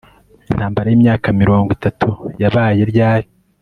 Intambara yimyaka mirongo itatu yabaye ryari